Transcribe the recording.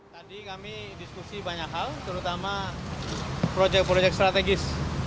tadi kami diskusi banyak hal terutama proyek proyek strategis